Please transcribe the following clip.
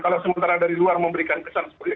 kalau sementara dari luar memberikan kesan seperti itu